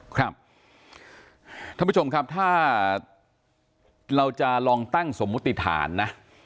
ท่านผู้ชมครับถ้าเราจะลองตั้งสมมุติฐานนะ